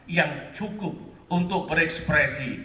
yang cukup untuk berekspresi